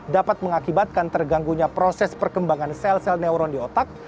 dapat mengakibatkan terganggunya proses perkembangan sel sel neuron di otak